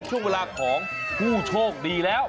ช่วงเวลาของผู้โชคดีแล้ว